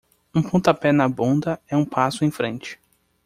Um pontapé na bunda é um passo em frente.